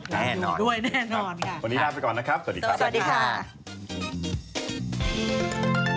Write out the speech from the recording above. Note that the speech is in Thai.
แน่นอนด้วยแน่นอนค่ะ